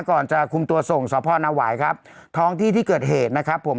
ก่อนจะคุมตัวส่งสพนหวายครับท้องที่ที่เกิดเหตุนะครับผม